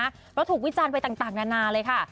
เพราะถูกวิจารณ์ไปต่างนานาเลยค่ะ